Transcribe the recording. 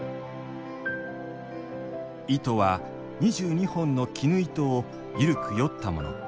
糸は２２本の絹糸をゆるくよったもの。